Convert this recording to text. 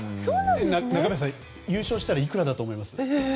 中林さん、優勝したらいくらだと思います？